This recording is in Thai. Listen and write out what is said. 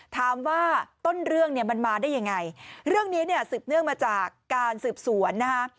ถามว่าต้นเรื่องเนี่ยมันมาได้ยังไงเรื่องนี้เนี่ยสืบเนื่องมาจากการสืบสวนนะฮะ